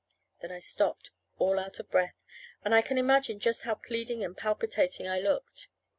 Then I stopped, all out of breath, and I can imagine just how pleading and palpitating I looked.